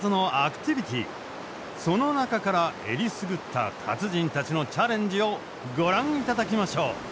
その中からえりすぐった達人たちのチャレンジをご覧いただきましょう。